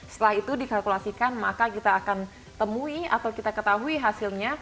setelah itu dikalkulasikan maka kita akan temui atau kita ketahui hasilnya